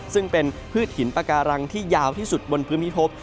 ซึ่งเป็นพืชหินปาการังที่ยาวที่สุดบนพื้นพิพบ